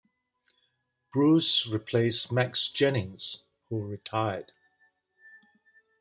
Bruce replaced Max Jennings, who retired.